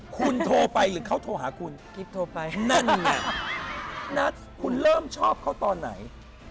คุณโทรไปหรือเขาโทรหาคุณนั่นแหละคุณเริ่มชอบเขาตอนไหน